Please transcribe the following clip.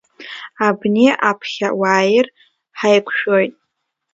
Абни аԥхьа уааир, ҳаиқәшәоит.